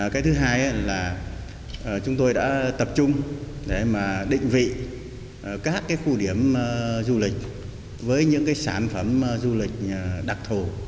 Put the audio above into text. cái thứ hai là chúng tôi đã tập trung để định vị các khu điểm du lịch với những sản phẩm du lịch đặc thù